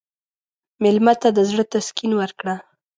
مېلمه ته د زړه تسکین ورکړه.